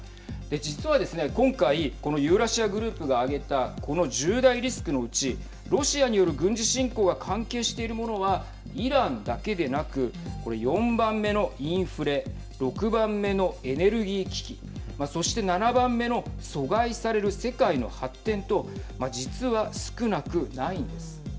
実はですね、今回このユーラシア・グループが挙げたこの１０大リスクのうちロシアによる軍事侵攻が関係しているものはイランだけでなくこれ、４番目のインフレ６番目のエネルギー危機そして７番目の阻害される世界の発展と実は少なくないんです。